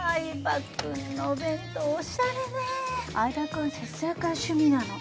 君節約が趣味なの。